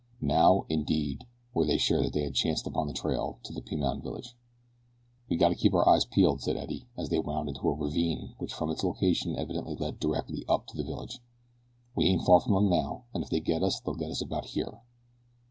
Now, indeed, were they sure that they had chanced upon the trail to the Piman village. "We gotta keep our eyes peeled," said Eddie, as they wound into a ravine which from its location evidently led directly up to the village. "We ain't far from 'em now, an' if they get us they'll get us about here."